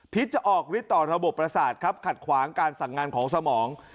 จะออกฤทธิต่อระบบประสาทครับขัดขวางการสั่งงานของสมอง